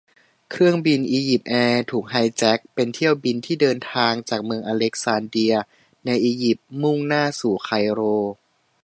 เครื่องบินอียิปต์แอร์ถูกไฮแจ็ค เป็นเที่ยวบินที่เดินทางจากเมืองอเล็กซานเดียในอียิปต์มุ่งหน้าสู่ไคโร